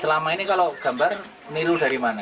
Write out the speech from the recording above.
selama ini kalau gambar niru dari mana